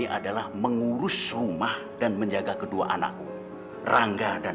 ibu ada kedalam rumahku juga sudah baru suatu jakiungan